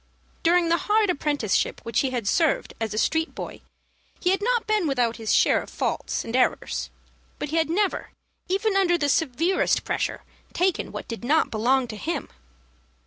During the hard apprenticeship which he had served as a street boy, he had not been without his share of faults and errors; but he had never, even under the severest pressure, taken what did not belong to him.